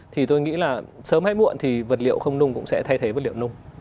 thì tôi nghĩ là sớm hay muộn thì vật liệu không nung cũng sẽ thay thế vật liệu nung